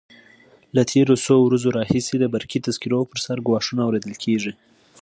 له تېرو څو ورځو راهیسې د برقي تذکرو پر سر ګواښونه اورېدل کېږي.